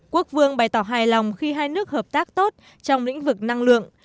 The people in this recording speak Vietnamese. quốc vương bày tỏ hài lòng khi hai nước hợp tác tốt trong lĩnh vực năng lượng